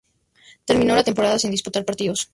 Terminó la temporada sin disputar partidos.